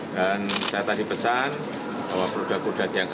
dan saya tadi pesan bahwa produk produk yang lainnya